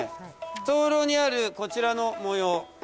灯籠にあるこちらの模様。